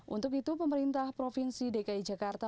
untuk itu pemerintah provinsi dki jakarta